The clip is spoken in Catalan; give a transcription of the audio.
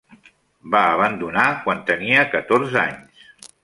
Va abandonar quan tenia catorze anys.